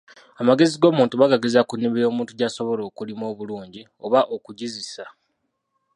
Amagezi g'omuntu bagageza ku nnimiro, omuntu gy'asobola okulima obulungi, oba okugizisa.